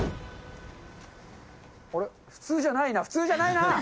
普通じゃないな、普通じゃないな。